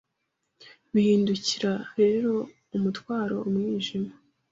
bihindukira rero umutwaro umwijima,